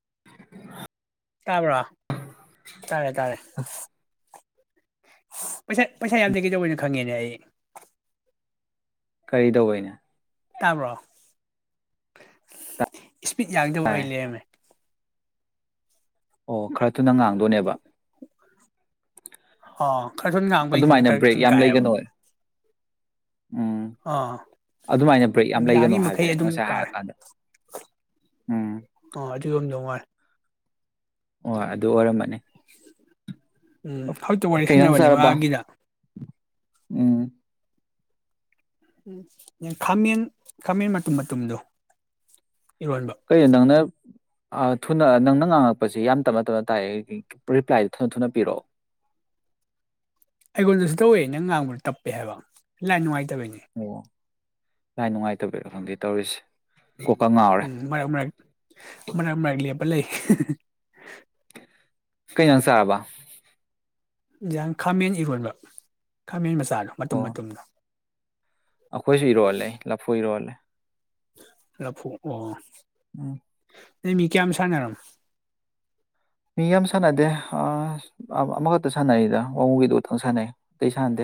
[inaudible] ꯇꯥꯕ꯭ꯔꯣ? ꯇꯥꯔꯦ- ꯇꯥꯔꯦ꯫ ꯑꯁ ꯄꯩꯁꯥ ꯄꯩꯁꯥ ꯌꯥꯝꯗꯤ ꯀꯩꯗꯧꯕꯩꯅꯣ ꯈꯪꯉꯦꯅꯦ ꯑꯩ꯫ ꯀꯔꯤ ꯇꯧꯕꯩꯅꯦ? ꯇꯥꯕ꯭ꯔꯣ? ꯏꯁꯄꯤꯠ ꯌꯥꯡꯗꯕ ꯑꯣꯏ ꯇꯥꯏ ꯂꯦꯝꯔꯝꯃꯦ꯫ ꯑꯣ ꯈꯔ ꯊꯨꯅ ꯉꯥꯡꯗꯣꯏꯅꯦꯕ꯫ ꯑꯣ ꯈꯔ ꯁꯨꯝ ꯉꯥꯡꯕꯩꯁꯤꯅ ꯑꯗꯨꯃꯥꯏꯅ ꯈꯔ ꯕ꯭ꯔꯦꯛ ꯁꯨꯝ ꯌꯥꯝ ꯀꯥꯏꯑꯦꯕ꯫ ꯂꯩꯒꯅꯣ ꯎꯝ ꯑꯗꯨꯃꯥꯏꯅ ꯕ꯭ꯔꯦꯛ ꯌꯥꯝ ꯂꯩꯒꯅꯨ ꯌꯥꯡꯉꯤ ꯃꯈꯩ ꯍꯥꯏꯕꯅꯦ ꯑꯗꯨꯝ ꯉꯁꯥꯏ ꯀꯥꯔꯦ ꯍꯥꯏꯔꯀꯥꯟꯗ꯫ ꯎꯝ ꯑꯣ ꯑꯗꯨ ꯅꯨꯡꯉꯥꯏ ꯫ ꯑꯣ ꯑꯗꯨ ꯑꯣꯏꯔꯝꯃꯥꯅꯤ꯫ [inaudible] ꯎꯝ ꯍꯧꯖꯤꯛꯇ ꯋꯥꯔꯤ ꯀꯩ ꯏꯟꯖꯥꯡ ꯁꯥꯟꯅꯕꯅꯦ ꯆꯥꯔꯕ ꯃꯥꯒꯤꯗ꯫ ꯎꯝ꯫ ꯎꯝ ꯈꯥꯃꯦꯟ ꯈꯥꯃꯦꯟ ꯃꯇꯨꯝ - ꯃꯇꯨꯝꯗꯣ꯫ ꯏꯔꯣꯟꯕ ꯀꯩ ꯅꯪ ꯅꯥ ꯊꯨꯅ ꯅꯪꯅ ꯉꯥꯡꯉꯛꯄꯁꯤ ꯌꯥꯝ ꯇꯞꯅ - ꯇꯞꯅ ꯇꯥꯏ ꯔꯤꯄ꯭ꯂꯥꯏꯗꯣ ꯊꯨꯅ ꯊꯨꯅ ꯄꯤꯔꯛꯑꯣ꯫ ꯑꯩꯉꯣꯟꯗꯁꯨ ꯇꯧꯋꯦ ꯅꯪ ꯉꯥꯡꯕ ꯇꯞꯄꯦ ꯍꯥꯏꯕ ꯂꯥꯏ ꯅꯨꯡꯉꯥꯏ ꯇꯕꯩꯅꯦ ꯂꯥꯏꯟ ꯅꯨꯡꯉꯥꯏꯇꯕꯩꯔ ꯈꯪꯗꯦ ꯇꯧꯔꯤꯁꯦ꯫ ꯀꯣꯛꯀ ꯉꯥꯎꯔꯦ ꯎꯝ ꯃꯔꯛ - ꯃꯔꯛ ꯃꯔꯛ - ꯃꯔꯛ ꯂꯦꯄ ꯄ ꯂꯩ ꯀꯩ ꯖꯥꯡ ꯆꯥꯔꯕ? ꯏꯟꯖꯥꯡ ꯈꯥꯃꯦꯟ ꯏꯔꯣꯟꯕ ꯈꯥꯃꯦꯟ ꯃꯆꯥ꯫ ꯆꯥꯗꯣ ꯃꯇꯨꯝ - ꯑꯣ ꯃꯇꯨꯝꯗꯣ꯫ ꯑꯩꯈꯣꯏꯁꯨ ꯏꯔꯣꯜꯂꯦ ꯂꯐꯨ ꯏꯔꯣꯜꯂꯦ꯫ ꯂꯥꯐꯨ ꯑꯣ꯫ ꯎꯝ꯫ ꯅꯩ ꯃꯤ ꯀꯌꯥꯝ ꯁꯥꯟꯅꯔꯃꯣ? ꯃꯤ ꯌꯥꯝ ꯁꯥꯟꯅꯗꯦ ꯑꯃꯈꯛꯇ ꯁꯥꯟꯅꯔꯤꯗ ꯋꯥꯉꯨꯒꯤꯗꯨ ꯇꯪ ꯁꯥꯟꯅꯩ ꯑꯇꯩ ꯁꯥꯟꯅꯗꯦ꯫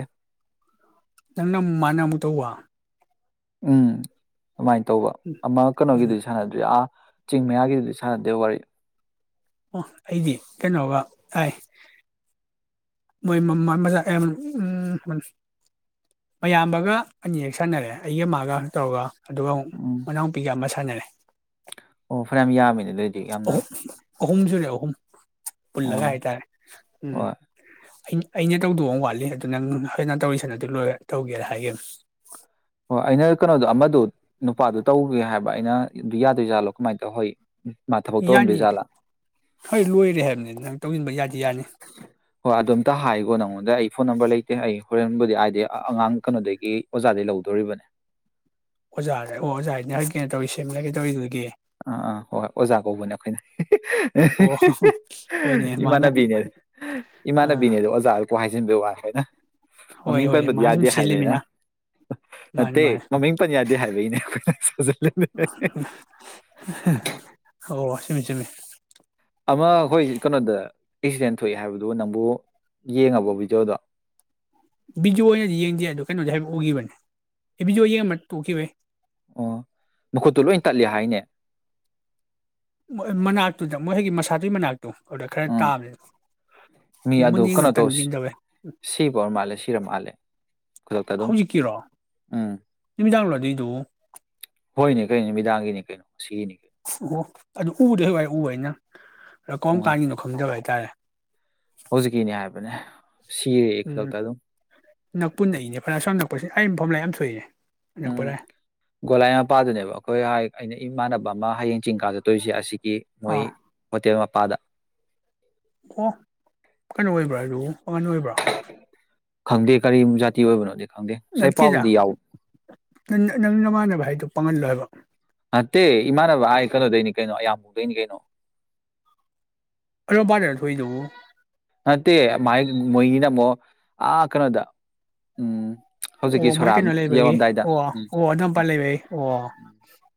ꯅꯪꯅ ꯃꯥꯅ ꯑꯃꯨ ꯇꯧꯕ ꯫ ꯑꯝ꯫ ꯑꯗꯨꯃꯥꯏꯅ ꯇꯧꯕ ꯑꯃ ꯎꯝ ꯀꯩꯅꯣꯒꯤꯗꯨꯗꯤ ꯁꯥꯟꯅꯗ꯭ꯔꯤ ꯑꯥ ꯆꯤꯡ ꯃꯌꯥꯒꯤꯗꯨꯗꯤ ꯁꯥꯟꯅꯗꯦ ꯋꯥꯔꯤ꯫ ꯑꯣ ꯑꯩꯗꯤ ꯀꯩꯅꯣꯒ ꯇꯥꯏ ꯃꯣꯏ ꯃꯌꯥꯝꯕꯒ ꯑꯅꯤ ꯍꯦꯛ ꯁꯥꯟꯅꯔꯦ ꯑꯩꯒ ꯃꯥꯒ ꯇꯧꯔꯒ ꯑꯗꯨꯒ ꯎꯝ ꯃꯥꯅꯥꯎ ꯄꯤꯒ ꯑꯃ ꯁꯥ [unintelligible] ꯑꯣ ꯐꯔꯦ ꯌꯥꯝ ꯌꯥꯝꯃꯤꯅꯦ ꯑꯗꯨ ꯑꯣꯏꯗꯤ ꯌꯥꯝꯅ ꯑꯍꯨꯝꯁꯨꯨꯔ ꯑꯍꯨꯝ ꯎꯝ ꯄꯨꯜꯂꯒꯥꯏ ꯇꯔꯦ ꯎꯝ ꯍꯣꯏ ꯑꯩꯅ ꯇꯧꯗꯧꯕ ꯋꯥꯠꯂꯤ ꯑꯗꯨ ꯅꯪ ꯐꯖꯅ ꯇꯧꯔꯤꯁꯅ ꯑꯗꯨ ꯂꯣꯏꯔ ꯇꯧꯒꯦꯅ ꯍꯥꯏꯒꯦ ꯍꯣꯏ ꯑꯩꯅ ꯀꯩꯅꯣꯗꯣ ꯑꯃꯗ ꯅꯨꯄꯥꯗꯨ ꯇꯧꯒꯦ ꯍꯥꯏꯕ ꯑꯩꯅ ꯌꯥꯗꯣꯏ ꯌꯥꯠꯂꯣ ꯀꯃꯥꯏꯅ ꯇꯧꯍꯣꯏ ꯌꯥꯅꯤ ꯍꯣꯏ ꯂꯣꯏꯔꯦ ꯍꯥꯏꯕꯅꯤ ꯅꯪ ꯇꯧꯁꯤꯟꯕ ꯌꯥꯗꯤ ꯌꯥꯅꯤ ꯑꯇꯥ ꯍꯥꯏꯈꯣ ꯅꯪꯉꯣꯟꯗ ꯑꯩ ꯐꯣꯟ ꯅꯝꯕꯔ ꯂꯩꯇꯦ ꯑꯩ ꯍꯣꯔꯦꯟꯕꯨꯗꯤ ꯍꯥꯏꯗꯤ ꯑꯉꯥꯡ ꯀꯩꯅꯣꯗꯒꯤ ꯑꯣꯖꯥꯗꯒꯤꯩ ꯂꯧ ꯇꯧꯔꯤꯕꯅꯤ ꯑꯣꯖꯥꯗ ꯑꯣꯖꯥ ꯍꯥꯏꯅꯤ ꯍ ꯀꯩꯅꯣ ꯇꯧꯔꯤ ꯁꯦꯝꯂꯒꯦ ꯇꯧꯋꯔꯤꯗꯨꯒꯤ ꯑꯥ ꯑꯥ ꯍꯣꯏ ꯍꯣꯏ ꯑꯣꯖꯥ ꯀꯧꯕꯅꯦ ꯑꯩꯈꯣꯏꯅ ꯑꯣ ꯍꯣꯏꯅꯦ ꯃꯥꯅ ꯏꯃꯥꯟꯅꯕꯤꯅꯦ ꯑꯥ ꯏꯃꯥꯟꯅꯕꯤꯅꯦ ꯑꯗꯨ ꯑꯣꯖꯥ ꯀꯣ ꯍꯥꯏ [unintelligible] ꯍꯣꯏ ꯃꯃꯤꯡ ꯍꯣꯏꯅꯦ ꯄꯟꯕꯗꯤ ꯃꯥꯅ ꯁꯨꯝ ꯌꯥꯗꯦ ꯍꯥꯏꯕꯅꯤꯅ ꯁꯦꯜꯂꯤꯃꯤꯅ ꯃꯥꯅꯤ ꯅꯠꯇꯦ ꯃꯥꯅꯤ ꯃꯃꯤꯡ ꯄꯟ ꯌꯥꯗꯦ ꯍꯥꯏꯕꯒꯤꯅꯦ ꯑꯣ ꯁꯤꯃꯤ ꯁꯤꯃꯤ ꯑꯃꯈꯣꯏ ꯀꯩꯅꯣꯗ ꯑꯦꯛꯁꯤꯗꯦꯟ ꯊꯣꯛꯑꯦ ꯍꯥꯏꯕꯗꯨ ꯅꯪꯕꯨ ꯌꯦꯡꯉꯕꯣ ꯚꯤꯗꯤꯑꯣꯗꯣ ꯕꯤꯖꯣ ꯑꯣꯏꯅꯗꯤ ꯌꯦꯡꯗꯦ ꯑꯗꯨ ꯀꯩꯅꯣꯗ ꯍꯥꯏꯕ ꯎꯈꯤꯕꯅꯦ ꯑꯦ ꯕꯤꯖꯣ ꯌꯦꯡꯉ ꯇ ꯎꯈꯤꯕꯩ ꯑꯣ ꯃꯈꯨꯠꯇꯨ ꯂꯣꯏ ꯇꯠꯂꯦ ꯍꯥꯏꯅꯦ ꯃꯣꯏ ꯃꯅꯥꯛꯇꯨꯗ ꯃꯣꯏ ꯍꯣꯏꯒꯤ ꯃꯁꯥꯗꯨꯏ ꯃꯅꯥꯛꯇꯨ ꯑꯗꯨꯗ ꯈꯔ ꯎꯝ ꯇꯥꯕꯅꯤꯅ ꯃꯤ ꯑꯩ ꯑꯗꯨ ꯃꯨꯣ ꯀꯩꯅꯣ ꯇꯟ ꯇꯧ ꯁꯤ- ꯌꯦꯗꯧꯋꯦ ꯎ ꯁꯤꯕ ꯑꯣꯏꯔ ꯃꯥꯜꯂꯦ ꯁꯤꯔ ꯃꯥꯜꯂꯦ ꯈꯨꯗꯛꯇ ꯑꯗꯨꯝ ꯍꯧꯖꯤꯛꯀꯤꯔꯣ ꯎꯝ ꯅꯨꯃꯤꯗꯥꯡꯣ ꯑꯗꯨꯗꯨ ꯍꯣꯏꯅꯦ ꯀꯩꯅꯣ ꯅꯨ ꯃꯤꯃꯤꯗꯥꯡꯒꯤꯅꯤ ꯀꯩꯅꯣ ꯉꯁꯤꯒꯤꯅꯤ ꯀꯩꯅꯣ ꯑꯣ ꯑꯗꯨꯗ ꯎ ꯔꯦ ꯋꯥꯏ ꯎ ꯍꯥꯏꯅ ꯀꯣꯝ ꯀꯥꯒꯤꯅ‌ꯣ ꯈꯪꯗꯧꯔꯗꯤ [unintelligible] ꯍꯧꯖꯤꯛꯀꯤꯅꯦ ꯍꯥꯏꯕꯅꯦ ꯁꯤꯔꯦ ꯎꯝ ꯈꯨꯗꯛꯇ ꯑꯗꯨꯝ ꯅꯛꯄꯨ ꯅꯛꯏꯅꯦ ꯐꯅ ꯁꯝ ꯅꯛꯄꯁꯦ ꯍꯥꯏꯔꯤꯕ ꯃꯐꯝ ꯂꯥꯏ ꯌꯥꯝ ꯁꯣꯏꯏꯔꯦ ꯎꯝ ꯒꯣꯂꯥꯏ ꯃꯄꯥꯗꯨꯅꯦꯕ ꯑꯩꯈꯣꯏ ꯑꯩꯅ ꯏꯃꯥꯟꯕ ꯃ ꯍꯥꯏꯩꯡ ꯆꯤꯡ ꯀꯥ ꯆꯠꯇꯣꯔꯤꯁꯦ ꯑꯁꯤꯒꯤ ꯃꯣꯏ ꯑꯥ ꯍꯣꯇꯦꯜ ꯄꯥꯗ ꯑꯣ ꯀꯩꯅ ꯑ‌ꯣꯏꯔꯤꯕ꯭ꯔ ꯑꯗꯨꯕꯨ ꯑꯣꯉꯅ ꯑꯣꯏꯕ꯭ꯔꯥ ꯈꯪꯗꯦ ꯀꯔꯤ ꯖꯥꯇꯤ ꯑꯣꯏꯕꯅꯣ ꯅꯠꯀꯦꯗ ꯅꯪ ꯅꯃꯥꯟꯅꯕ ꯍꯥꯏꯗꯣ ꯄꯪꯍꯜꯂꯣꯏꯕ ꯅꯠꯇꯦ ꯏꯃꯥꯟꯅꯕ ꯍꯥꯏ ꯈꯜꯂꯣꯗꯣꯏꯅꯤ ꯀꯩꯅꯣ ꯑꯌꯥꯝꯕꯗꯣꯏꯅꯤ ꯀꯩꯅꯣ ꯑꯣꯕꯥꯅꯦꯔ ꯊꯣꯏꯗꯧꯕ ꯅꯠꯇꯦ ꯃꯥꯏ ꯃꯣꯏꯅꯤꯅ ꯑꯃꯨꯛ ꯑꯥ ꯀꯩꯅꯣꯗ ꯎꯝ ꯍꯧꯖꯤꯛꯀꯤ ꯑꯣ ꯃꯣꯏ ꯁꯣꯔꯥꯝ ꯀꯩꯅꯣ ꯂꯩꯕꯒꯤ ꯌꯧꯔꯝꯗꯥꯏꯗ ꯑꯣ ꯎꯝ ꯑꯣ ꯑꯗꯨ ꯎꯝ ꯃꯄꯥꯥꯟ ꯂꯩꯕ ꯑꯩ ꯑꯣ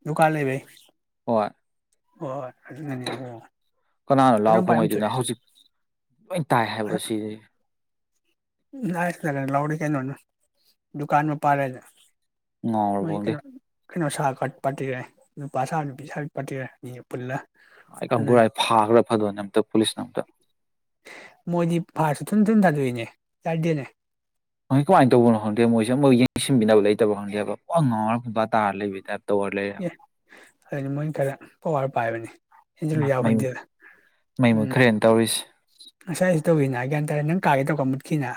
ꯗꯨꯀꯥꯟ ꯂꯩꯕ ꯑꯣ ꯍ ꯍꯣꯏ ꯑꯗꯨꯅꯅꯦ ꯑꯣ ꯀꯅꯥꯅꯣ ꯂꯥꯎ ꯑꯗꯨꯝ ꯄꯥꯏꯝ ꯈꯣꯡꯉꯩꯗꯨꯅ ꯊꯣꯛꯦ ꯍꯧꯖꯤꯛ ꯂꯣꯏ ꯇꯥꯏ ꯍꯥꯏꯕ ꯁꯤꯅꯤ ꯇꯔꯦ ꯂꯥꯎ ꯀꯩꯅꯣꯅ ꯗꯨꯀꯥꯟ ꯃ ꯄꯥꯔꯦꯗ ꯑ ꯍ ꯐꯗꯤꯦ ꯀꯩꯅꯣ ꯁꯥ ꯀꯠ ꯄꯥꯠꯇꯦꯔꯦ ꯅꯨꯄꯥ ꯁꯥ ꯅꯨꯄꯤ ꯁꯥꯠ ꯄꯥꯠꯇꯦꯔꯦ ꯑꯅꯤꯅ ꯄꯨꯜꯂ ꯑꯗꯨꯅ ꯒꯥꯏ ꯐꯥꯒ꯭ꯔꯦ ꯐꯥꯗꯅꯦ ꯑꯇ ꯄꯨꯂꯤꯁꯅ ꯑꯝꯇ ꯌꯦ ꯆꯗꯅꯦ ꯣꯏ ꯀꯃꯥꯏꯅ ꯇꯧꯕꯅꯣ ꯈꯪꯗꯦ ꯃꯣꯏꯁꯦ ꯑꯃꯨꯛ ꯌꯦꯡꯁꯤꯟꯕꯤꯅꯕ ꯂꯩꯇꯕ ꯈꯪꯗꯦꯕ ꯋꯥ ꯉꯥꯎꯔꯒ ꯐꯨꯡꯕꯥ ꯇꯥꯔ ꯂꯩꯕ ꯇꯥꯏꯞ ꯇꯧꯔ ꯂꯩꯔꯦꯕ ꯑꯦ ꯑꯗꯨꯗꯤ ꯃꯣꯏꯅ ꯈꯔ ꯄꯋꯥꯔ ꯄꯥꯏꯕꯅꯤ ꯏꯦꯟꯁꯤꯜꯂꯨ ꯃꯥ ꯃꯩ ꯌꯥꯎꯍꯟꯗꯦꯗ ꯃꯩ ꯎꯝ ꯃꯨꯠꯈ꯭ꯔꯦꯅ ꯇꯧꯔꯤꯁꯦ ꯉꯁꯥꯏꯁꯨ ꯇꯧꯤꯅ ꯍꯥꯏ ꯀꯦ ꯍꯥꯏꯇꯥꯔꯦ ꯅꯪ ꯀꯥꯒꯦ ꯇꯧ ꯀꯃꯠꯀꯤꯅ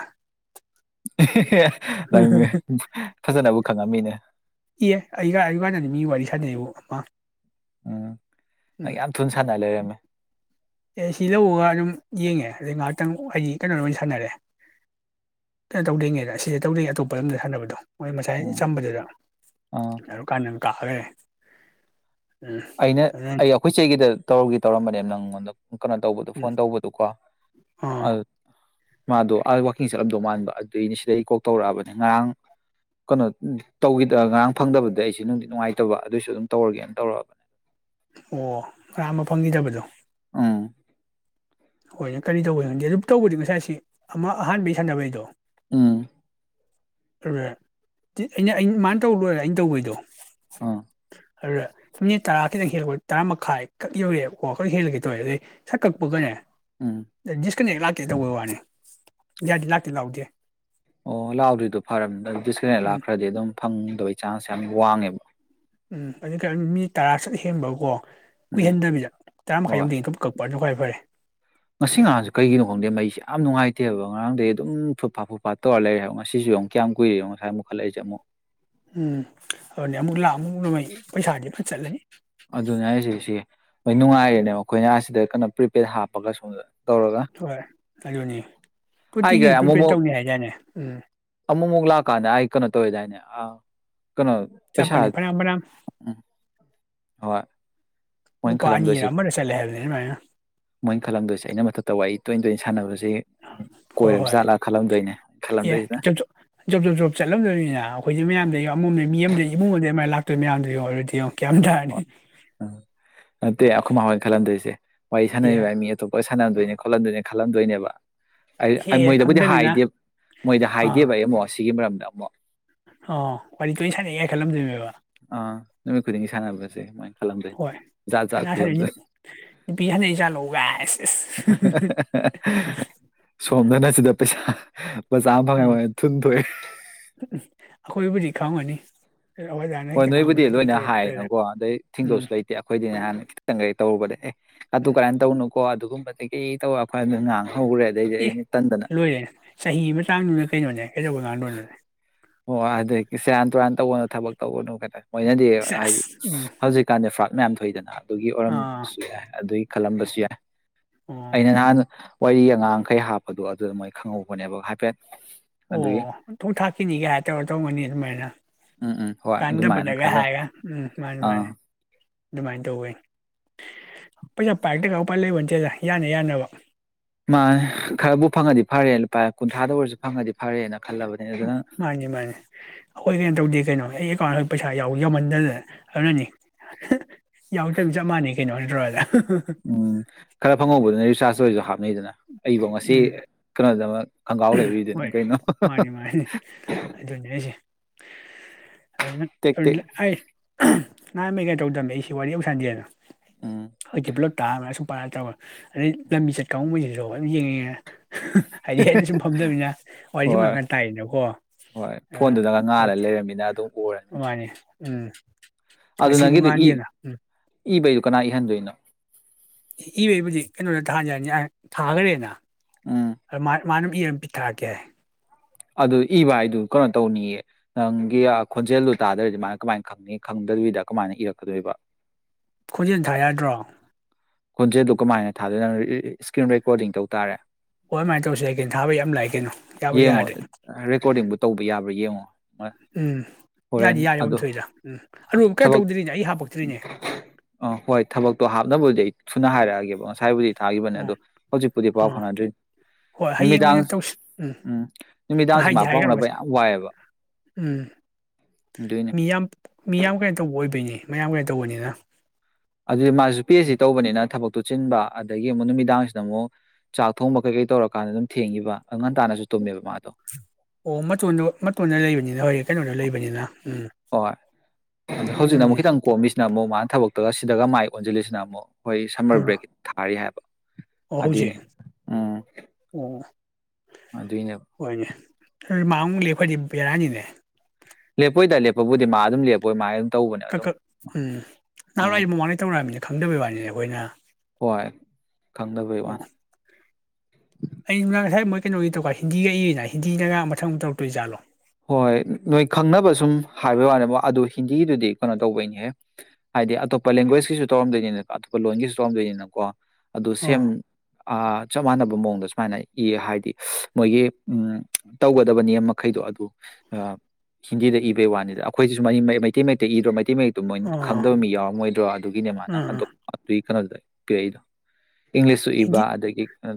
ꯏꯤ ꯍꯦ ꯍꯦ꯫ ꯈꯪꯉꯝꯃꯤꯅꯦ ꯏ ꯑꯩ ꯑꯗꯨ ꯀꯥꯟꯗꯅꯤ ꯃꯤ ꯋꯥꯔꯤ ꯁꯥꯟꯅꯩꯕ ꯑꯐ ꯎꯝ ꯅꯪ ꯌꯥꯝ ꯊꯨꯅ ꯁꯥꯟꯅ ꯂꯩꯔꯝꯃꯦ ꯑꯦ ꯁꯤ ꯂꯧꯔꯒ ꯑꯗꯨꯝ ꯌꯦꯡꯉꯦ ꯑꯗꯩ ꯉꯥꯏꯍꯥꯛꯇꯪ ꯍꯥꯏꯗꯤ ꯀꯩꯅꯣ ꯂ ꯁꯥꯟꯅꯔꯦ ꯀꯩꯅꯣ ꯇꯧꯗꯣꯏꯉꯦꯗ ꯁꯤꯁꯦ ꯇꯧꯗꯣꯏ ꯑꯇꯣꯞꯄ ꯂꯝꯗ ꯁꯥꯟꯅꯕꯗꯣ ꯃꯣꯏ ꯉꯁꯥꯏ ꯎꯝ ꯆꯝꯕꯗꯨꯗ ꯑꯥ ꯌꯥꯝ ꯀꯥꯟꯅ ꯀꯥꯔꯦ ꯑꯩꯅ ꯑꯩ ꯑꯩꯈꯣꯏ ꯆꯩꯒꯤꯗ ꯇꯧꯔꯒ ꯇꯧꯔꯝꯕꯅꯦ ꯅꯪꯉꯣꯟꯗ ꯀꯩꯅꯣ ꯇꯧꯕꯗꯣ ꯎꯝ ꯐꯣꯟ ꯇꯧꯕꯗꯨꯀꯣ ꯑꯥ ꯑꯗꯨ ꯃꯥꯗꯣ ꯑ ꯋꯥꯛꯀꯤꯡ ꯆꯠꯂꯝꯗꯧ ꯃꯥꯟꯕ ꯑꯗꯨꯏꯅꯦ ꯁꯤꯗ ꯑꯩ ꯀꯣꯛ ꯇꯧꯔꯛꯑꯕꯅꯤ ꯉꯔꯥꯡ ꯀꯩꯅꯣ ꯇꯧꯈꯤꯗ ꯉꯔꯥꯡ ꯐꯪꯗꯕꯗ ꯑꯩꯁꯨ ꯅꯨꯡꯗꯤ ꯅꯨꯡꯉꯥꯏꯇꯕ ꯑꯗꯨꯑꯣꯏꯁꯨ ꯑꯗꯨꯝ ꯇꯧꯔꯒꯦꯅ ꯇꯧꯔꯛꯑꯕꯅꯤ ꯑꯣ ꯀꯌꯥꯝꯕ ꯐꯪꯈꯤꯗꯕꯗꯣ ꯎꯝ ꯍꯣꯏꯅꯦ ꯀꯔꯤ ꯇꯧꯕꯩꯅꫭ ꯈꯪꯗꯦ ꯑꯗꯨ ꯇꯧꯕꯗꯤ ꯉꯁꯥꯏ ꯑꯁꯤ ꯑꯃ ꯑꯍꯥꯟꯕꯩ ꯁꯥꯟꯅꯕꯩꯗꯣ ꯎꯝ ꯑꯩꯅ ꯑ ꯃꯥꯅ ꯇꯧ ꯂꯣꯏꯔꯦ ꯑꯩꯅ ꯇꯧꯕꯩꯗꯣ ꯑꯥ ꯑꯗꯨꯗ ꯃꯤꯅꯤꯠ ꯇꯔꯥ ꯈꯤꯇꯪ ꯍꯦꯜꯂ ꯇꯔꯥ ꯃꯈꯥꯏ ꯈꯛ ꯌꯧꯔꯛꯑꯦ ꯀ ꯋꯥꯈꯛ ꯍꯦꯜꯂꯛꯦ ꯇꯧꯑꯦ ꯑꯗꯩ ꯁꯛ ꯀꯛꯄꯒꯅꯦ ꯎꯝ ꯗꯤꯁ ꯀꯅꯦꯛ ꯀꯩꯗꯧꯕꯩ ꯋꯥꯅꯤ ꯌꯥꯗꯤ ꯂꯥꯛꯇꯦ ꯂꯥꯎꯗꯦ ꯑꯣ ꯂꯥꯛꯑꯣꯗ꯭ꯣꯏꯔꯤꯗꯣ ꯐꯔꯝ ꯗꯤꯁꯀꯦꯟ ꯎꯝ ꯂꯥꯛꯈ꯭ꯔꯗꯤ ꯑꯗꯨꯝ ꯐꯪꯅꯤ ꯑꯗꯨꯒꯤ ꯆꯥꯟꯁꯦ ꯌꯥꯝ ꯋꯥꯡꯉꯦꯕ ꯎꯝ ꯑꯗꯨ ꯃꯤ ꯇꯔꯥ ꯁꯠ ꯍꯦꯟꯕꯀꯣ ꯎꯝ ꯀꯨꯏꯍꯟꯗꯃꯤꯗ ꯇꯔꯥ ꯃꯈꯥꯏ ꯍꯣꯏ ꯌꯧꯗꯦ ꯀ ꯀꯛꯄ ꯍꯣꯏ ꯉꯁꯤ ꯉꯍꯁꯨ ꯀꯩꯒꯤꯅꯣ ꯈꯪꯗꯦ ꯃꯩꯁꯦ ꯌꯥꯝ ꯅꯨꯡꯉꯥꯏꯇꯦꯕ ꯉꯔꯥꯡꯗꯒꯤ ꯑꯗꯨꯝ ꯐꯠ ꯐꯥꯠ ꯐꯨꯠꯥꯠ ꯇꯧꯔ ꯂꯩꯔꯦ ꯍꯥꯏꯕ ꯉꯁꯤꯁꯨ ꯑꯃꯨ ꯀꯌꯥꯝ ꯀꯨꯏꯔꯤꯅꯣ ꯉꯥꯏ ꯑꯃꯨꯛꯠꯂꯛꯏꯁꯦ ꯑꯃꯨꯛ ꯎꯝꯅꯤ ꯑꯃꯨꯛ ꯂꯥꯛ ꯅꯣꯡꯃꯥꯏ ꯄꯩꯁꯥꯗꯤ ꯐ ꯆꯠꯂꯅꯤ ꯃꯣꯏ ꯅꯨꯡꯉꯥꯏꯔꯦꯅꯦꯕ ꯑꯩꯈꯣꯏꯅꯁꯤꯗ ꯀꯩꯅꯣ ꯄ꯭ꯔꯤꯄꯦꯗ ꯍꯥꯞꯄꯒ ꯁꯣꯝꯗ ꯇꯧꯔꯒ ꯍꯣꯏ ꯑꯗꯨꯅꯤ ꯑꯩꯒ ꯀꯨꯔꯇꯤꯒꯤꯁꯨ ꯄ꯭ꯔꯤꯄꯦꯌꯔ ꯑꯃꯨꯛꯃꯨꯛ ꯇꯧꯅꯤ ꯍꯥꯏꯖꯠꯅꯦ ꯎꯝ ꯀꯨꯂꯀꯥꯅꯦ ꯑꯀꯅ ꯇꯣꯏꯗꯥꯅꯦ ꯑ ꯀꯩꯅꯣ ꯄꯩꯁꯥ ꯆꯠꯄꯅꯤ ꯐꯅꯌꯥꯝ ꯐꯅꯌꯥꯝ ꯎ ꯍꯣꯏ ꯃꯣꯏꯅ ꯂꯨꯄꯥ ꯑꯅꯤꯔ ꯈꯜꯂꯝꯗꯣꯏꯁꯦ ꯑꯃꯔ ꯆꯠꯂꯦ ꯍꯥꯏꯕꯅꯤ ꯑꯗꯨꯃꯥꯏꯅ ꯃꯣꯏ ꯈꯜꯂꯝꯗꯣꯏꯁꯦ ꯑꯩꯅ ꯃꯊ ꯇꯧ ꯑꯩ ꯇꯣꯏ ꯇꯣꯏ ꯁꯥꯟꯅꯕꯔꯁꯨ ꯍꯣꯏ ꯍꯣꯏ ꯑꯦ ꯈꯜꯂꯝꯗꯣꯏꯁꯤꯅ ꯆꯠꯂꯝꯗꯅꯤꯅ ꯑꯩꯈꯣꯏꯗꯤ ꯃꯌꯥꯝꯗ ꯌ ꯑꯃꯝ ꯃꯤ ꯑꯗ ꯏꯃꯨꯡꯗ ꯑꯗꯨꯃꯥꯏꯅ ꯂꯥꯛꯇꯣꯏ ꯃꯌꯥꯝꯗꯨ ꯌ ꯑꯣꯏꯔꯗꯤꯌꯣ ꯅꯠꯇꯦ ꯑꯩꯈꯣꯏ ꯃꯥꯣꯏꯅ ꯈꯜꯂꯝꯗꯣꯏꯁꯦ ꯋꯥꯔꯤ ꯁꯥꯟꯅ ꯑꯦ ꯃꯤ ꯑꯇꯣꯞꯄ ꯈꯥꯟꯅꯟꯗꯣꯏꯅꯦ ꯈꯣꯠꯍꯟꯗꯣꯏꯅꯦ ꯈꯜꯍꯟꯗꯣꯏꯅꯦꯕ ꯍꯦꯛ ꯑꯩ ꯍꯦꯛ ꯃꯣꯏꯗꯕꯨꯗꯤ ꯈꯪꯗꯃꯤꯅ ꯍꯥꯏꯗꯦ ꯃꯣꯏꯗ ꯑꯥ ꯍꯥꯏꯗꯦꯕ ꯑꯩ ꯑꯃꯨꯛ ꯑꯁꯤꯒꯤꯒꯤ ꯃꯔꯝꯗ [unintelligible] ꯑꯣ ꯋꯥꯔꯤ ꯇꯣ ꯁꯥꯟꯅ ꯍꯥꯏ ꯈꯜꯂꯝꯗꯣꯏꯅꯦꯕ ꯑꯥ ꯅꯨꯃꯤꯠ ꯈꯨꯗꯤꯡꯒꯤ ꯁꯥꯟꯅꯕꯁꯦ ꯁꯃꯥꯏꯅ ꯍꯣꯏ ꯀꯅꯥ ꯈꯪꯅꯤ ꯅꯨꯄꯤ ꯍꯟꯂꯦ ꯏꯆꯥꯥ ꯂꯧ ꯒꯥꯏ ꯑꯦꯁ ꯑꯦꯁ ꯐꯣꯝꯗꯅ ꯁꯤꯗ ꯄꯩꯁꯥ ꯆꯥ ꯑꯃ ꯐꯪꯉꯥꯏ ꯎꯝ ꯐꯉꯦ ꯊꯨꯟꯊꯑꯦ ꯈꯪ ꯑꯅꯤ ꯍꯣꯏ ꯅꯣꯏꯕꯨꯗꯤ ꯂꯣꯏꯅ ꯍꯥꯏꯌꯦꯅꯀꯣ ꯑꯗꯩ ꯎꯝ ꯊꯤꯡꯗꯁꯨ ꯂꯩꯇꯦ ꯑꯩꯈꯣꯏꯗꯤꯅꯦꯍꯥꯟꯅ ꯈꯤꯇꯪ ꯀꯩ ꯇꯔꯕꯅꯦ ꯑ ꯇꯨ ꯎꯝ ꯀꯔꯦ ꯇꯧꯅ ꯀꯣ ꯑꯗꯨꯒꯨꯝꯕꯗꯒꯤ ꯀꯩ ꯇꯧꯔ ꯑꯩꯣꯏꯗ ꯉꯥꯡꯉ ꯑꯦ ꯂꯣꯏꯔꯦꯅꯦ ꯆꯍꯤ ꯃꯇꯥꯡꯗꯨꯅ ꯀꯩꯅꯣꯅꯦ ꯀꯩꯗꯧꯕ ꯉꯥꯡꯗꯣꯏꯅꯣꯅꯦ ꯑꯣ ꯑꯗꯨꯗꯒꯤ ꯁꯦꯔꯥꯟ ꯇꯨꯔꯥꯟ ꯇꯧꯕꯒꯅꯣ ꯊꯕꯛ ꯇꯧꯧꯕꯅꯨ ꯀꯇ ꯑꯣꯏꯅꯗꯤꯦ ꯁꯦꯁ ꯍꯥꯏꯗꯤ ꯎꯝ ꯍꯧꯖꯤꯛꯀꯥꯟꯗꯤ ꯐ ꯃꯌꯥꯝ ꯊꯣꯛꯏꯗꯅꯍ ꯑꯗꯨꯒꯤ ꯑꯥ ꯑꯣꯏꯔꯝꯁꯨ ꯌꯥꯏ ꯑꯗꯨꯒꯤ ꯈꯂꯝꯕꯕꯁꯤ ꯌꯥ ꯑꯣ ꯑꯩꯅ ꯅꯥꯟ ꯋꯥꯔꯤ ꯑꯉꯥꯡꯈꯩ ꯍꯥꯞꯄꯗꯣ ꯑꯗꯨꯗ ꯃꯣꯏ ꯈꯪꯍꯧꯕꯅꯦꯕ ꯍꯥꯏꯐꯦꯠ ꯑꯗꯨꯒꯤ ꯑꯣ ꯊꯣꯡ ꯊꯈꯤꯅꯤ ꯍꯥꯏ ꯇ ꯑꯣ ꯇ ꯃꯅꯤ ꯃꯅ ꯎꯝ ꯎꯝ ꯍꯣꯏ ꯀꯟꯗ ꯑꯗꯨꯃꯥꯏꯅ ꯄꯗꯒ ꯈꯜꯂꯝ ꯍꯥꯏ ꯎꯝ ꯃꯥꯅꯤ ꯑꯥ ꯃꯥꯅꯤ ꯑꯗꯨꯃꯥꯏꯅ ꯇꯧꯋꯅꯤ ꯄꯩꯁꯥ ꯄꯥꯏꯛꯇꯒ ꯎꯄꯥꯏ ꯂꯩꯕ ꯅꯠꯇꯦꯗ ꯌꯥꯅꯤ ꯌꯥꯅꯕ ꯃꯥ ꯈꯔꯕꯨ ꯐꯪꯉꯗꯤ ꯐꯔꯦ ꯀꯨꯟꯊꯥꯗ ꯑꯣꯏꯔꯁꯨ ꯐꯪꯉꯗꯤ ꯐꯔꯦꯅ ꯈꯜꯂꯕꯅꯦ ꯎ ꯑꯗꯨꯅ ꯃꯥꯅꯦ ꯃꯥꯅꯦ ꯑꯈꯣꯏ ꯀꯦꯝ ꯇꯧꯗꯦ ꯀꯩꯅꯣ ꯑꯩ ꯑꯦꯀꯥꯎꯟ ꯄꯩꯁꯥꯎ ꯌꯥꯎꯍꯟꯗꯗꯅ ꯑꯗꯨꯅꯅꯤ ꯌꯥꯎꯗꯕꯅ ꯆꯞ ꯃꯥꯟꯅꯩ ꯀꯩꯅꯣ ꯅꯠꯇ꯭ꯔꯣꯗ ꯎꯝ ꯈꯔ ꯐꯪꯍꯧꯕꯗꯨꯅ ꯔꯤꯆꯥꯔꯖ ꯑꯣꯏꯔꯁꯨ ꯍꯥꯞ ꯗꯅ ꯑꯩꯕꯨ ꯉꯁꯤ ꯎꯝ ꯀꯩꯅꯣꯗꯃꯛ ꯈꯪꯒꯥꯎ ꯂꯩꯕꯤꯗꯅꯦ ꯍꯣꯏ ꯀꯩꯅꯣ ꯃꯥꯅꯤ ꯃꯥꯅꯤ ꯇꯦꯛ ꯑꯗꯨ ꯇꯦꯛ ꯅꯍꯥꯟ ꯃꯩ ꯀꯩꯅꯩ ꯇꯧꯗꯝꯃꯦ ꯑꯩꯁꯤ ꯋꯥꯔꯤ ꯎꯁꯟꯗꯦꯅ ꯎꯝ ꯍ ꯄꯨꯂꯣ ꯇꯥ ꯃ ꯄꯔꯥ ꯇꯧꯔꯒ ꯑꯗꯩ ꯂꯝꯕꯤ ꯆꯠ ꯀꯥꯡꯕꯩꯁꯤꯗꯣ ꯑꯗꯨꯝ ꯌꯦꯡꯉꯉꯦ [inaudible] ꯍꯥꯝꯗꯕꯅꯤꯅ ꯋꯥꯔꯤꯁꯤ ꯁꯨꯝ ꯍꯣꯏ ꯉꯥꯡꯀꯥꯟ ꯇꯥꯏꯌꯦꯗꯀꯣ ꯍꯣꯏ ꯑꯗꯨꯅ ꯐꯣꯟꯗꯨꯗꯒ ꯍꯣꯏ ꯉꯥꯜꯂ ꯂꯩꯔꯝꯃꯤꯅ ꯑꯗꯨꯝ ꯑꯣꯏꯔꯅꯤ ꯃꯥꯅꯤ꯫ ꯎꯝ ꯑꯗꯨ ꯉꯁꯤꯕꯨ ꯅꯪꯒꯤꯗꯨ ꯏ ꯉꯥꯟꯗꯦꯅ ꯎꯝ ꯏꯕꯩꯗꯨ ꯀꯅꯥ ꯏꯍꯟꯗꯣꯏꯅꯣ ꯏꯕꯩꯕꯨꯗꯤ ꯀꯩꯅꯣꯗ ꯊꯥꯖꯔꯅꯤ ꯊꯥꯈ꯭ꯔꯦꯅ ꯎꯝ ꯃꯥꯅ ꯏꯔ ꯑꯃ ꯄꯤꯛꯊꯛꯑꯀꯦ ꯑꯗꯨ ꯏꯕ ꯍꯥꯏꯗꯨ ꯀꯩꯅꯣ ꯇꯧꯅꯤꯌꯦ ꯅꯪꯒꯤ ꯈꯣꯟꯖꯦꯜꯗꯨꯣ ꯇꯥꯗ꯭ꯔꯗꯤ ꯃꯥꯅ ꯀꯃꯥꯏꯅ ꯈꯪꯅꯤ ꯈꯪꯗꯣꯏꯕꯤꯗ ꯀꯃꯥꯏꯅ ꯏꯔꯛꯀꯗꯣꯏꯕ ꯈꯣꯟꯖꯤꯦꯜ ꯊꯥ ꯌꯥꯗ꯭ꯔꯣ ꯈꯣꯟꯖꯦꯜꯗꯨ ꯀꯃꯥꯏꯅ ꯊꯥꯗꯅ ꯏꯁꯀ꯭ꯔꯤꯟ ꯔꯦꯀꯣꯔꯗꯤꯡ ꯇꯧ ꯇꯥꯔꯦ ꯍꯣꯏ ꯑꯗꯨꯃꯥꯏꯅ ꯇꯧꯁꯤ ꯑꯩ ꯀꯩꯅꯣ ꯊꯥꯕ ꯌꯥꯝ ꯂꯥꯛꯏ ꯀꯩꯅꯣ ꯌꯥꯥꯕ ꯌꯦꯡꯉꯣ ꯌꯥꯗꯦ ꯔꯦꯀꯣꯔꯗꯤꯡꯕꯨ ꯇꯧꯕ ꯌꯥꯕ꯭ꯔꯥ ꯌꯦꯡꯉꯣ ꯎꯝ ꯍꯣꯔꯦꯟ ꯌꯥꯗꯤ ꯌꯥꯔꯦ ꯑꯃ ꯑꯗꯣ ꯊꯣꯛꯏꯗ ꯎꯝ ꯑꯔꯨꯕ ꯀꯩꯅꯣ ꯊꯕꯛ ꯇꯧꯗ꯭ꯔꯤꯅꯦ ꯑꯩ ꯍꯥꯄꯛꯇ꯭ꯔꯤꯅꯦ ꯑꯥ ꯍꯣꯏ ꯊꯕꯛꯇꯣ ꯍꯥꯞꯅꯕꯕꯨꯗꯤ ꯑꯩ ꯊꯨꯅ ꯍꯥꯏꯔꯛꯑꯒꯦꯕ ꯉꯁꯥꯏꯕꯨꯗꯤ ꯊꯥꯈꯤꯕꯅꯦ ꯎꯝ ꯑꯗꯣ ꯍꯧꯖꯤꯛꯄꯨꯗꯤ ꯄꯥꯎ ꯎꯝ ꯐꯥꯎꯅꯗ꯭ꯔꯤ ꯍꯣꯏ ꯅꯨꯃꯤꯗꯥꯡ ꯎꯝ ꯅꯨꯃꯤꯗꯥꯡꯁꯤ ꯍꯥꯏꯒꯦ ꯃꯥ ꯄꯥꯎ ꯍꯥꯏꯈ꯭ꯔꯣ ꯐꯥꯎꯅꯕ ꯉꯁꯤ ꯌꯥꯝ ꯋꯥꯏꯑꯦꯕ ꯎꯝ ꯑꯗꯨꯏꯅꯦ ꯃꯤꯌꯥꯝ ꯃꯤꯌꯥꯝ ꯀꯩꯅꯣ ꯇꯧꯕ ꯑꯣꯏꯗꯣꯏꯅꯤ ꯃꯌꯥꯝ ꯀ ꯇꯧꯕꯅꯤꯅ ꯑꯗꯨꯗꯤ ꯃꯥꯁꯨ ꯄꯤ ꯑꯦꯁ ꯎꯝ ꯁꯤ ꯇꯧꯕꯅꯤꯅ ꯊꯕꯛ ꯇꯨꯠꯁꯤꯤꯟꯕ ꯑꯗꯒꯤ ꯑꯃꯨꯛ ꯅꯨꯃꯤꯗꯥꯡꯁꯤꯗ ꯑꯃꯨꯛ ꯆꯥꯛ ꯊꯣꯡꯕ ꯀꯩ ꯀꯩ ꯇꯧꯔꯀꯥꯟꯗ ꯑꯗꯨꯝ ꯊꯦꯡꯉꯤꯕ ꯑꯣ ꯃꯇꯣꯟꯗ ꯃꯇꯣꯟꯗ ꯂꯩꯕꯅꯤꯅ ꯍꯣꯏ ꯀꯩꯅꯣꯗ ꯂꯩꯕꯅꯤꯅ ꯂ ꯍꯣꯏ ꯍꯧꯖꯤꯛꯅ ꯑꯃꯨꯛ ꯑꯗꯨꯅꯦ ꯈꯤꯇꯪ ꯀꯣꯝꯃꯤꯁꯤꯅ ꯑꯃꯨꯛ ꯃꯥꯅ ꯊꯕꯛ ꯁꯤꯗꯒ ꯃꯥꯏ ꯑꯣꯟꯁꯤꯜꯂꯤꯁꯤꯅ ꯑꯃꯨꯛ ꯍꯣꯏ ꯁꯝꯃꯔ ꯑꯥ ꯕ꯭ꯔꯦꯛ ꯊꯥꯔꯤ ꯍꯥꯏꯕ ꯑꯣ ꯑꯗꯨꯏꯅꯦ ꯍꯧꯖꯤꯛ ꯎꯝ ꯑꯣ ꯑꯗꯨꯏꯅꯦꯕ ꯍꯣꯏꯅꯦ ꯃꯥꯨ ꯂꯦ ꯑꯩꯈꯣꯏꯗꯤ ꯕꯦꯔꯥꯅꯤꯅꯦ ꯂꯦꯄꯣꯏꯗ ꯂꯦꯄꯕꯨꯗꯤ ꯃꯥ ꯑꯗꯨꯝ ꯂꯦꯞꯄꯣꯏ ꯃꯥ ꯑꯗꯨꯝ ꯇꯧꯕꯅꯦ ꯀꯛꯛ ꯑꯗꯨꯝ ꯎꯝ ꯎꯝ ꯅꯍꯥꯟꯋꯥꯏ ꯃꯃꯥꯡꯗꯩ ꯇꯧꯅꯛꯃꯤꯅꯦ ꯈꯪꯗꯕꯩꯕꯥꯅꯤꯅꯦ ꯑꯩꯈꯣꯏꯅ ꯑꯣ ꯍꯣꯏ ꯈꯪꯗꯕꯩ ꯋꯥꯅꯤ ꯑꯩ ꯁꯨꯝ ꯉꯁꯥꯏ ꯃꯣꯏ ꯀꯩꯅꯣꯒꯤ ꯇꯧꯔꯀ ꯍꯤꯟꯗꯤꯒ ꯏꯏꯌꯦꯅ ꯍꯤꯟꯗꯤꯗꯒ ꯃꯊꯪ ꯑꯃ ꯇꯧꯛꯇꯣꯏ ꯖꯥꯠꯂꯣ ꯍꯣꯏ ꯅꯣꯏ ꯈꯪꯅꯕ ꯁꯨꯝ ꯍꯥꯏꯕꯩ ꯋꯥꯅꯦ ꯑꯗꯨ ꯍꯤꯟꯗꯤꯒꯤꯗꯨꯗꯤ ꯀꯩꯅꯣ ꯇꯧꯕꯩꯅꯦꯍ ꯍꯥꯏꯗꯤ ꯑꯇꯣꯞꯄ ꯂꯦꯡꯒ꯭ꯋꯦꯁꯀꯤꯁꯨ ꯇꯧꯔꯝꯗꯣꯏꯅꯤꯅ ꯑꯇꯣꯞꯄ ꯂꯣꯟꯒꯤꯁꯨ ꯇꯧꯔꯝꯗꯣꯏꯅꯤꯅꯀꯣ ꯑꯗꯨ ꯁꯦꯝ ꯑꯥ ꯆꯞ ꯃꯥꯟꯅꯕ ꯃꯑꯣꯡꯗ ꯁꯨꯃꯥꯏꯅ ꯏ ꯍꯥꯏꯗꯤ ꯃꯣꯏꯒꯤ ꯇꯧꯒꯗꯕ ꯅꯤꯦꯝ ꯃꯈꯩꯗꯣ ꯑꯗꯨ ꯍꯤꯟꯗꯤꯗ ꯏꯕꯩ ꯋꯥꯅꯤꯗ ꯑꯩꯈꯣꯏꯁꯤꯁꯨ ꯃꯩꯇꯩ ꯃꯩꯇꯩ ꯏꯗ꯭ꯔꯣꯩ ꯤ ꯃꯛꯇꯨ ꯃꯣꯏꯅ ꯑꯥ ꯈꯪꯗꯕ ꯃꯤ ꯌꯥꯎꯔꯝꯃꯣꯏꯗ꯭ꯔꯣ ꯑꯗꯨꯒꯤꯅꯦ ꯃꯥꯅ ꯑꯣ ꯑꯥ ꯑꯗꯨꯒꯤ ꯀꯩꯅꯣꯗ ꯀꯏꯗ ꯍꯤꯟꯗꯤ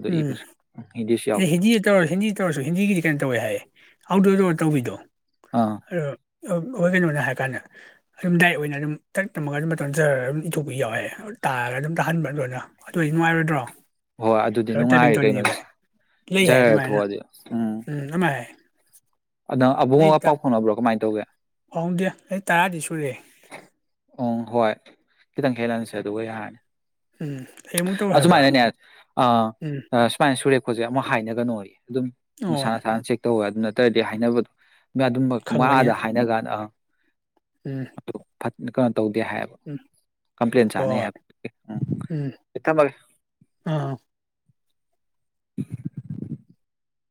ꯎꯝ ꯏꯕꯁꯨ ꯍꯤꯟꯗꯤꯁꯨ ꯌꯥꯎꯕ ꯍꯤꯟꯗꯤꯗ ꯇꯧꯔꯁꯨ ꯍꯤꯟꯗꯤꯗ ꯇꯧꯔꯁꯨ ꯍꯤꯟꯗꯤꯒꯤꯗꯤ ꯀꯩꯅꯣ ꯇꯧꯋꯦ ꯍꯥꯏꯌꯦ ꯑꯥꯎꯠꯗꯣꯔꯗ ꯑꯣꯏꯔ ꯇꯧꯕꯤꯗꯣ ꯑꯥ ꯑ ꯑꯩꯣꯏ ꯀꯩꯅꯣꯅ ꯍꯥꯏꯔ ꯀꯥꯟꯗ ꯑꯗꯨꯝ ꯗꯥꯏꯠ ꯑꯣꯏꯅ ꯑꯗꯨꯝ ꯇꯔꯛ ꯇꯝꯃꯒ ꯑꯗꯨꯝ ꯃꯇꯝꯗ ꯆꯔꯒ ꯑꯗꯨꯝ ꯏꯊꯣꯛꯄ ꯌꯥꯎꯋꯦ ꯇꯥꯔꯒ ꯑꯗꯨꯝ ꯇꯥꯍꯟꯕ ꯑꯗꯨꯅ ꯑꯗꯨ ꯑꯣꯏ ꯅꯨꯡꯉꯥꯏꯔꯣꯏꯗ꯭ꯔꯣ ꯍꯣꯏ ꯑꯗꯨꯗꯤ ꯑꯗꯣ ꯇꯥꯏꯄꯤꯡ ꯅꯨꯡꯉꯥꯏꯔꯦ ꯀꯩꯅꯣ ꯇꯧꯅꯦꯕ ꯂꯩ ꯍꯥꯏ ꯖꯔ ꯑꯗꯨꯃꯥꯏꯅ ꯊꯣꯛꯣꯛꯑꯗꯤ ꯎꯝ ꯑꯃ ꯍꯥꯏ ꯑꯗꯪ ꯑꯕꯨꯡꯉꯒ ꯄꯥꯎ ꯐꯥꯎꯅꯕ꯭ꯔꯣ ꯀꯃꯥꯏꯅ ꯑꯗꯨꯒ ꯍꯣꯡꯗꯦ ꯑꯩ ꯇꯔꯥꯗꯤ ꯁꯨꯔꯦꯦ ꯎꯝ ꯍꯣꯏ ꯈꯤꯇꯪ ꯈꯦꯠꯅꯔꯁꯦ ꯑꯗꯨꯒ ꯌꯥꯔꯅꯤ ꯎꯝ ꯑꯩ ꯑꯃꯨꯛ ꯇꯧ ꯍꯥꯏꯕ꯭ꯔꯥ ꯑꯁꯨꯃꯥꯏꯅꯅꯦ ꯎꯝ ꯑ ꯁꯃꯥꯏꯅ ꯁꯨꯔꯦ ꯑꯩꯈꯣꯏꯁꯦ ꯑꯃ ꯍꯥꯏꯅꯒꯅꯣꯌꯦ ꯑꯗꯨꯝ ꯑꯣ ꯃꯁꯥꯅꯁꯥꯅ ꯆꯦꯛ ꯇꯧꯕ ꯑꯗꯨ ꯅꯠꯇ꯭ꯔꯗꯤ ꯍꯥꯏꯅꯕꯗꯣ ꯑꯗꯨꯝ ꯈꯪꯕꯅꯤꯅ ꯃꯥꯥꯗ ꯍꯥꯏꯅ ꯀꯥꯟꯗ ꯑ ꯎꯝ ꯑꯗꯨ ꯐꯠ ꯀꯩꯅꯣ ꯇꯧꯗꯦ ꯍꯥꯏꯌꯦꯕ ꯎꯝ ꯀꯝꯄ꯭ꯂꯦꯟ ꯍꯣꯏ ꯆꯥꯅꯩ ꯍꯣꯏ ꯍꯥꯏꯕ ꯎꯝ ꯊꯝꯃꯒꯦ ꯑꯥ